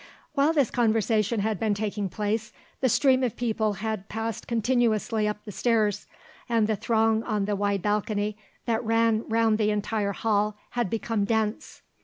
While this conversation had been taking place, the stream of people had passed continuously up the stairs, and the throng on the wide balcony that ran round the entire hall had become dense.